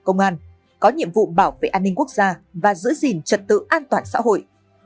công an có nhiệm vụ bảo vệ an ninh quốc gia và giữ gìn trật tự an toàn xã hội